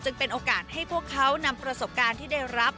เป็นโอกาสให้พวกเขานำประสบการณ์ที่ได้รับ